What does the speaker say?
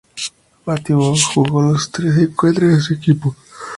Matthew Booth jugó los tres encuentros que su equipo disputó en el torneo.